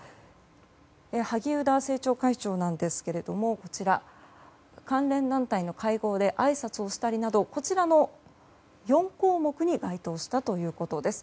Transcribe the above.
萩生田政調会長ですが関連団体の会合であいさつをしたりなどこちらの４項目に該当したということです。